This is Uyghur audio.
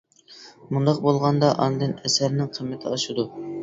مۇنداق بولغاندا ئاندىن ئەسەرنىڭ قىممىتى ئاشىدۇ.